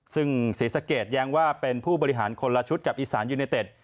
ซึ่งศรีสะเกดแย้งว่าเป็นผู้บริหารคนละชุดกับอีสานยูเนเต็ด